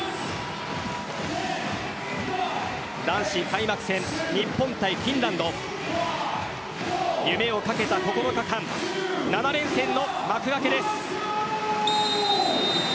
男子開幕戦日本対フィンランド夢をかけた９日間７連戦の幕開けです。